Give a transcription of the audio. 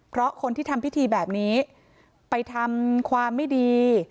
เพราะคนที่ทำพิธีแบบนี้ไปทำความไม่ดี